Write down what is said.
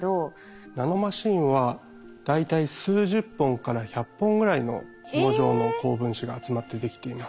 ナノマシンは大体数十本から百本ぐらいのひも状の高分子が集まってできています。